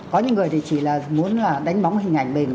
có những người thì chỉ là muốn là đánh bóng hình ảnh mình